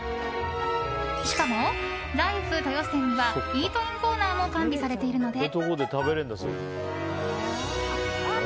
しかも、ライフ豊洲店にはイートインコーナーも完備されているので。